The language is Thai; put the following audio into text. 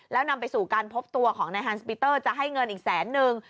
แล้วนำไปสู่การพบตัวของนายฮันสปีเตอร์จะให้เงินอีกแสนนึง